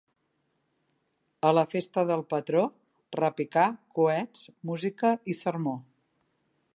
A la festa del patró: repicar, coets, música i sermó.